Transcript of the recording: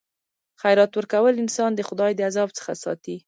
خیرات ورکول انسان د خدای د عذاب څخه ساتي.